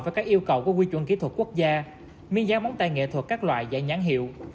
với các yêu cầu của quy chuẩn kỹ thuật quốc gia miên giá móng tay nghệ thuật các loại giải nhãn hiệu